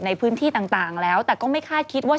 ในพื้นที่ต่างแล้วแต่ก็ไม่คาดคิดว่า